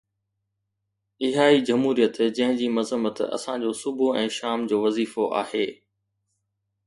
اها ئي جمهوريت جنهن جي مذمت اسان جو صبح ۽ شام جو وظيفو آهي.